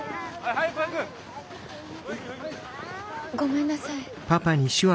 ごめんなさい。